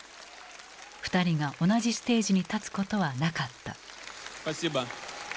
２人が同じステージに立つことはなかった。